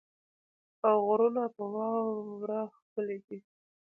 او غرونه په واوره ښکلې دي.